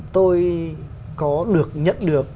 tôi có được nhận được